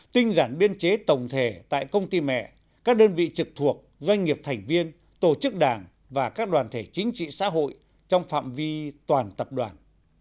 tinh giản biên chế tổng thể tại công ty mẹ các đơn vị trực thuộc doanh nghiệp thành viên tổ chức đảng và các đoàn thể chính trị xã hội trong phạm vi toàn tập đoàn